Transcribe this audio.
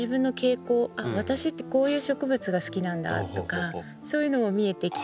私ってこういう植物が好きなんだとかそういうのも見えてきて。